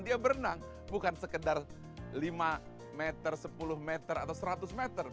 dia berenang bukan sekedar lima meter sepuluh meter atau seratus meter